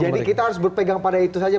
jadi kita harus berpegang pada itu saja